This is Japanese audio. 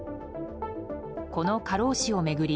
この過労死を巡り